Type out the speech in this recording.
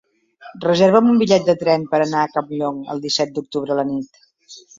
Reserva'm un bitllet de tren per anar a Campllong el disset d'octubre a la nit.